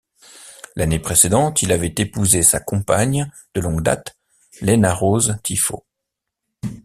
L'année précédente il avait épousé sa compagne de longue date, Laina Rose Thyfault.